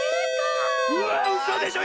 うわうそでしょ！